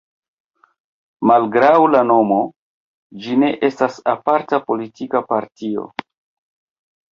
Malgraŭ la nomo, ĝi ne estas aparta politika partio.